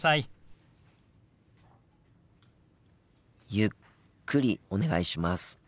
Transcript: ゆっくりお願いします。